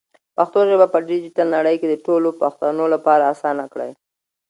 پښتو ژبه په ډیجیټل نړۍ کې د ټولو پښتنو لپاره اسانه کړئ.